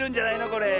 これ。